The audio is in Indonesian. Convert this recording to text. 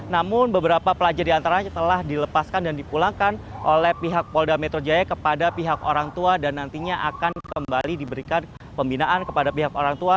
namun beberapa pelajar diantaranya telah dilepaskan dan dipulangkan oleh pihak polda metro jaya kepada pihak orang tua dan nantinya akan kembali diberikan pembinaan kepada pihak orang tua